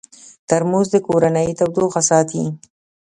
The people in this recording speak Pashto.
ترموز د کورنۍ تودوخه ساتي.